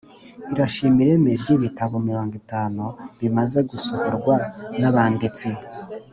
irashima ireme ry’ibitabo mirongo itanu bimaze gusohorwa n’abanditsi